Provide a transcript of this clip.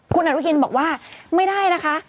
คุณอัลวิทย์บอกว่าไม่ได้นะคะ